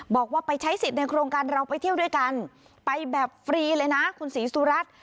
บอกว่าไปใช้สิทธิ์ในโครงการเราไปเที่ยวด้วยกันไปแบบฟรีเลยนะคุณศรีสุรัตน์